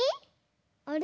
あれ？